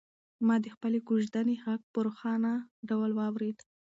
ما د خپلې کوژدنې غږ په روښانه ډول واورېد.